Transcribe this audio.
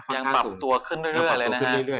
ยังปรับตัวขึ้นเรื่อยนะครับ